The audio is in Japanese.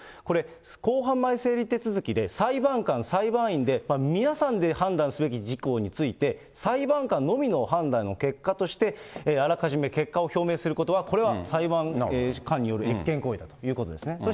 これ、公判前整理手続きで裁判官、裁判員で皆さんで判断すべき事項について、裁判官のみの判断の結果として、あらかじめ結果を表明することは、これは裁判官による越権行為だということですね。